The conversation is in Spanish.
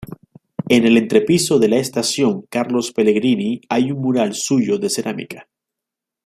En el entrepiso de la estación Carlos Pellegrini hay un mural suyo de cerámica.